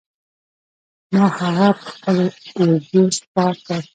ما هغه په خپلو اوږو سپار کړ.